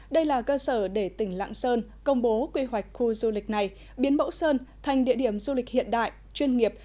đây là cơ sở để tỉnh lạng sơn công bố quy hoạch khu du lịch này biến mẫu sơn thành địa điểm du lịch hiện đại chuyên nghiệp